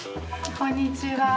こんにちは。